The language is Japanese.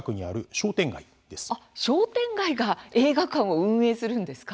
商店街が映画館を運営するんですか。